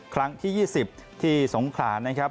ครั้งที่๒๐ที่สงขลานะครับ